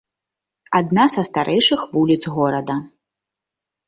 Адна са старэйшых вуліц горада.